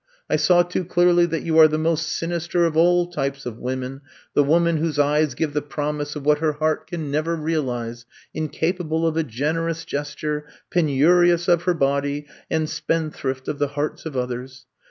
I saw too clearly that yon are the most sinister of all types of women — ^the woman whose eyes give the promise of what her heart can never realize, in capable of a generous gesture, penurious of her body, and spendthrift of the hearts of others.